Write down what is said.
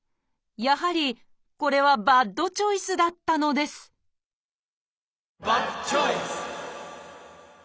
やはりこれはバッドチョイスだったのですバッドチョイス！